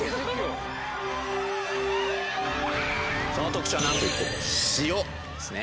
その特徴はなんといっても塩ですね。